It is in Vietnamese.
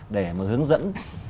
để mà hướng dẫn